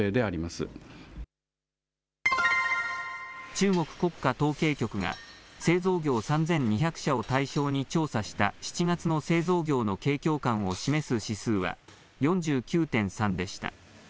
中国国家統計局が製造業３２００社を対象に調査した７月の製造業の景況感を示す指数は４９．３でした。